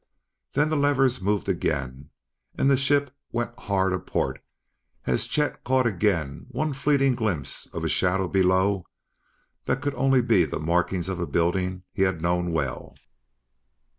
Then the levers moved again, and the ship went hard a port as Chet caught again one fleeting glimpse of shadow below that could only be the markings of a building he had known well.